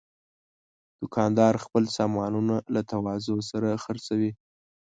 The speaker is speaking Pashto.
دوکاندار خپل سامانونه له تواضع سره خرڅوي.